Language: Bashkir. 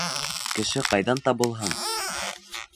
Кеше ҡайҙан табылһын?